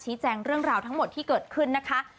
แจ้งเรื่องราวทั้งหมดที่เกิดขึ้นนะคะ